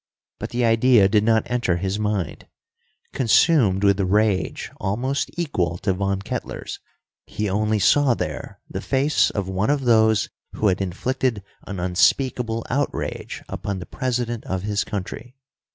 But the idea did not enter his mind. Consumed with rage almost equal to Von Kettler's, he only saw there the face of one of those who had inflicted an unspeakable outrage upon the President of his country.